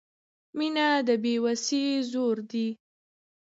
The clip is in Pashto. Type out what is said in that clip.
• مینه د بې وسۍ زور دی.